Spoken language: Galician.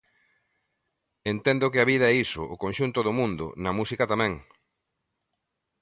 Entendo que a vida é iso, o conxunto do mundo, na música tamén.